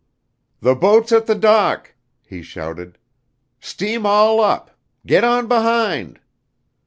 "The boat's at the dock," he shouted. "Steam all up. Get on behind!"